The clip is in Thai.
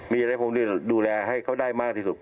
มีอะไรคงจะดูแลให้เขาได้มากที่สุด